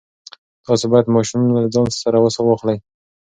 تاسو باید ماشومان له ځان سره واخلئ.